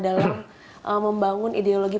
dalam membangun ideologi